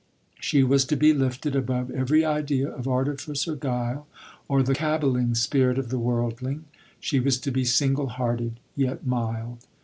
She was to be lift ed above every idea of artifice or guile, or the caballing spirit of the worldling — she was to be single hearted, yet mild.